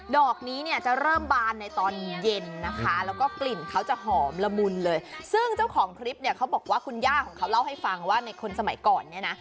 ดอกนี้เนี่ยจะเริ่มบานในตอนเย็นนะคะแล้วก็กลิ่นเขาจะหอมละมุนเลยซึ่งเจ้าของคลิปเนี่ยเขาบอกว่าคุณย่าของเขาเล่าให้ฟังว่าในคนสมัยก่อนเนี่ยนะ